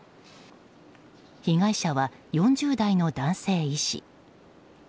被害者は４０代の男性医師。